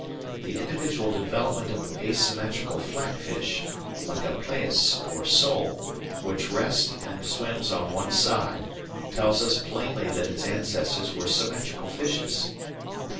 The individual development of an asymmetrical flat fish, like a plaice or sole, which rests and swims on one side, tells us plainly that its ancestors were symmetrical fishes.